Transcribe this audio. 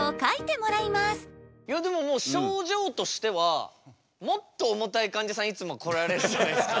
もう症状としてはもっと重たいかんじゃさんいつも来られるじゃないですか。